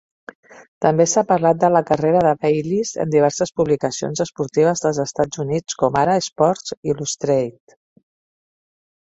També s'ha parlat de la carrera de Bayless en diverses publicacions esportives dels Estats Units, com ara "Sports Illustrated".